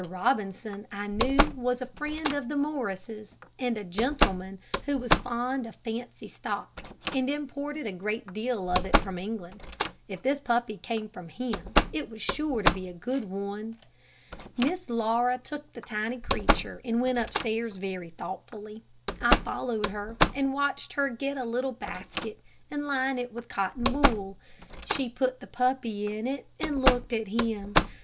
Robinson I knew was a friend of the Morrises, and a gentleman who was fond of fancy stock, and imported a great deal of it from England. If this puppy came from him, it was sure to be good one. Miss Laura took the tiny creature, and went upstairs very thoughtfully. I followed her, and watched her get a little basket and line it with cotton wool. She put the puppy in it and looked at him.